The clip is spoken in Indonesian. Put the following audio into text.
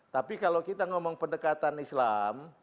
tapi kalau kita ngomong pendekatan islam